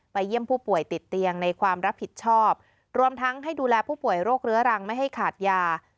เยี่ยมผู้ป่วยติดเตียงในความรับผิดชอบรวมทั้งให้ดูแลผู้ป่วยโรคเรื้อรังไม่ให้ขาดยา